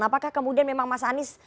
apakah kemudian memang mas anies